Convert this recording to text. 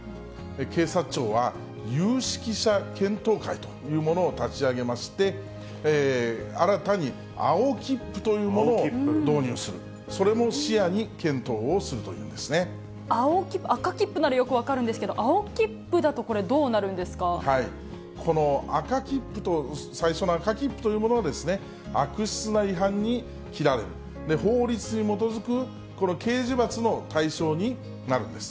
警察庁は、有識者検討会というものを立ち上げまして、新たに青切符というものを導入する、それも視野に検討をするとい青切符、赤切符ならよく分かるんですけれど、青切符だと、これ、どうなるこの赤切符と、最初の赤切符というものはですね、悪質な違反に切られる、法律に基づくこの刑事罰の対象になるんです。